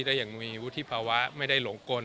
ได้อย่างมีวุฒิภาวะไม่ได้หลงกล